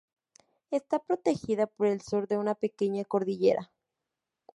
Está protegida por el sur de una pequeña cordillera.